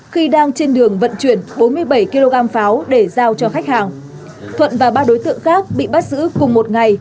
khi đang trên đường vận chuyển bốn mươi bảy kg pháo để giao cho khách hàng thuận và ba đối tượng khác bị bắt giữ cùng một ngày